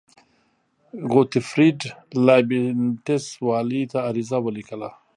غوتفریډ لایبینټس والي ته عریضه ولیکله.